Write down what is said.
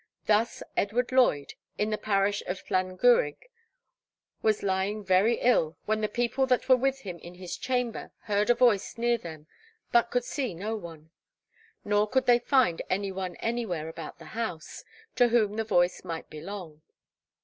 Thus Edward Lloyd, in the parish of Llangurig, was lying very ill, when the people that were with him in his chamber heard a voice near them, but could see no one; nor could they find any one anywhere about the house, to whom the voice might belong.